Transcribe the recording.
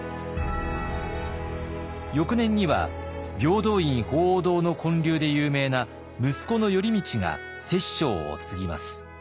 翌年には平等院鳳凰堂の建立で有名な息子の頼通が摂政を継ぎます。